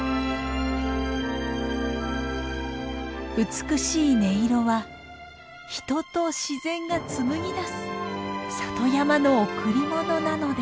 美しい音色は人と自然が紡ぎ出す里山の贈り物なのです。